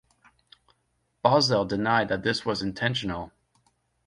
Boesel denied that this was intentional.